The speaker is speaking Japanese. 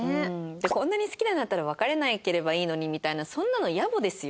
こんなに好きなんだったら別れなければいいのにみたいなそんなの野暮ですよ！